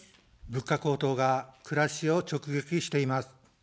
物価高騰が暮らしを直撃しています。